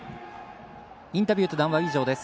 インタビューと談話は以上です。